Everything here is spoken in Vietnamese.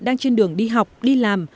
đang trên đường đi học đi làm